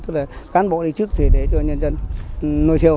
tức là cán bộ đi trước thì để cho nhân dân nuôi theo